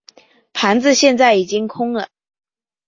盘子现在已经空了。